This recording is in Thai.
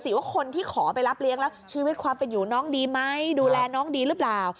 ว่าคนที่ขอไปรับเลี้ยงแล้วชีวิตความเป็นอยู่น้องดีไหมดูแลน้องดีหรือเปล่า